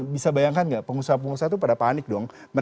bisa bayangkan nggak pengusaha pengusaha itu pada panik dong